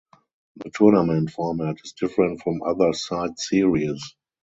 The tournament format is different from other side series.